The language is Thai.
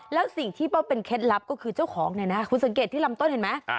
แล้วสิ่งที่ว่าเป็นเคล็ดลับก็คือเจ้าของเนี่ยนะคุณสังเกตที่ลำต้นเห็นไหม